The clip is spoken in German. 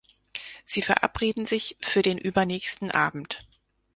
Sie verabreden sich für den übernächsten Abend.